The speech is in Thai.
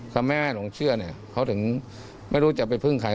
ทำให้แม่หลงเชื่อเนี่ยเขาถึงไม่รู้จะไปพึ่งใคร